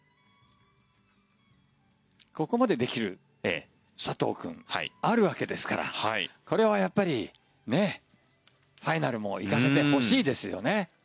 ここまでできる佐藤君あるわけですからこれはやっぱりファイナルも行かせてほしいですよね。